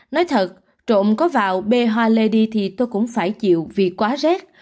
nói thật trộm có vào bê hoa lê đi thì tôi cũng phải chịu vì quá rét